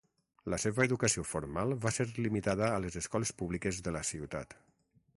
La seva educació formal va ser limitada a les escoles públiques de la ciutat.